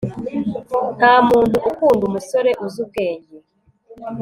ntamuntu ukunda umusore uzi ubwenge